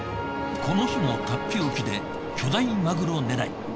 この日も龍飛沖で巨大マグロ狙い。